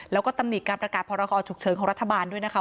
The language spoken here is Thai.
แล้วก็ตำหนิการประกาศพรกรฉุกเฉินของรัฐบาลด้วยนะคะ